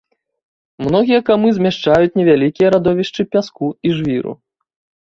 Многія камы змяшчаюць невялікія радовішчы пяску і жвіру.